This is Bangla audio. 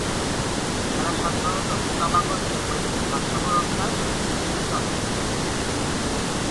এরা সাধারণত পোকামাকড় খেয়ে পরিবেশের ভারসাম্য রক্ষায় যথেষ্ট সহায়ক।